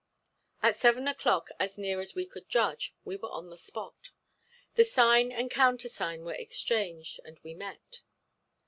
At seven o'clock, as near as we could judge, we were on the spot. The sign and countersign were exchanged, and we met.